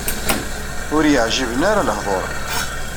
Ur yi-ɛǧiben ara lehdur-a.